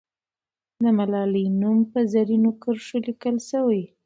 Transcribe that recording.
د ملالۍ نوم په زرینو کرښو لیکل سوی.